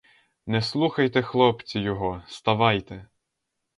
Не слухайте, хлопці, його, ставайте.